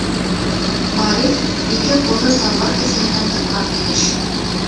Ғариф, ике ҡулын салбар кеҫәһенә тыҡҡан килеш